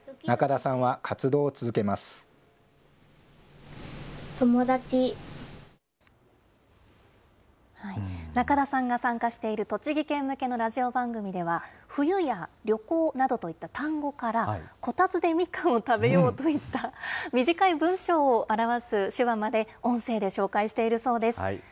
中田さんが参加している栃木県向けのラジオ番組では、冬や旅行などといった単語から、コタツでミカンを食べようといった短い文章を表す手話まで、音声で紹介しているそうです。